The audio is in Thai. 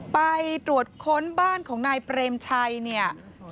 ไปตรวจค้นบ้านของนายเปรมชัยเนี่ย